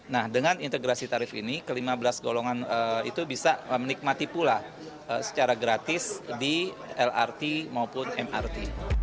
nah dengan integrasi tarif ini ke lima belas golongan itu bisa menikmati pula secara gratis di lrt maupun mrt